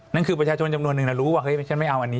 นั่นคือประชาชนจำนวนนึงนะรู้ว่าเฮ้ยฉันไม่เอาอันนี้